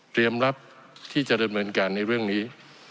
เตรียมรับที่จะเริ่มเหมือนกันในเรื่องนี้